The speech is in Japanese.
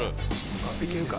あっいけるか？